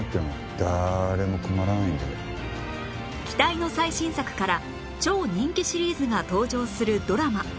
期待の最新作から超人気シリーズが登場するドラマ